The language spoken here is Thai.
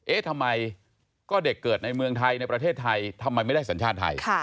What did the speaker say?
เอ๊ะทำไมก็เด็กเกิดในเมืองไทยในประเทศไทยทำไมไม่ได้สัญชาติไทย